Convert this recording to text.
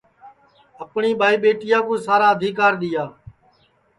اور اپٹؔی ٻائی ٻیٹیا کُو سارا آدیکرا دؔیا